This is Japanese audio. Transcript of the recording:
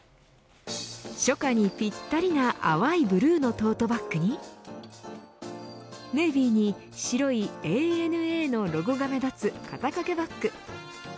初夏にぴったりな淡いブルーのトートバックにネイビーに白いＡＮＡのロゴが目立つ肩掛けバック。